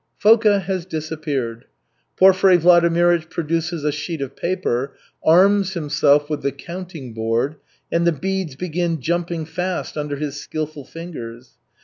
Foka has disappeared. Porfiry Vladimirych produces a sheet of paper, arms himself with the counting board, and the beads begin jumping fast under his skilful fingers.